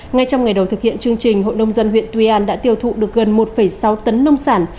ngay trong ngày đầu thực hiện chương trình hội nông dân huyện tuy an đã tiêu thụ được gần một sáu tấn nông sản